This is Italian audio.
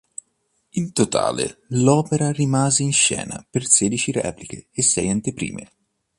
In totale, l'opera rimase in scena per sedici repliche e sei anteprime.